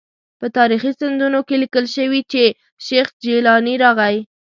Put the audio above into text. په تاریخي سندونو کې لیکل شوي چې شیخ جیلاني راغی.